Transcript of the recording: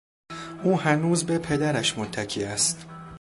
او هنوز به پدرش متکی است.